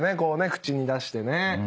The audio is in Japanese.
口に出してね。